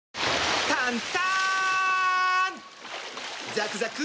ザクザク！